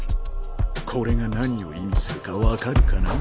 これが何を意味するか分かるかな？